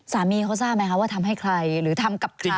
สามีเขาทราบไหมคะว่าทำให้ใครหรือทำกับใคร